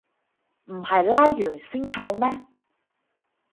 唔係拉完先扣咩